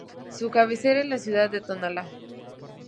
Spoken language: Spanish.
Su cabecera es la ciudad de Tonalá.